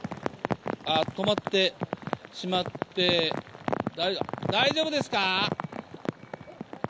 あっ、止まってしまって、大丈夫ですか？